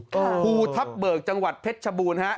ภูทับเบิกจังหวัดเพชรชบูรณฮะ